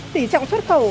tỉ trọng xuất khẩu